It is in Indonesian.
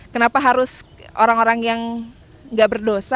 kenapa harus orang orang yang gak berdosa